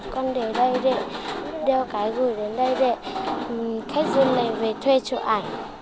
con để đây để đeo cái gửi đến đây để khách dùng này về thuê chỗ ảnh